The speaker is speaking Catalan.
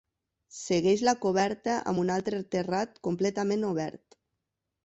Segueix la coberta amb un altre terrat completament obert.